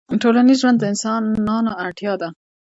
ټولنیز ژوند د انسانانو اړتیا ده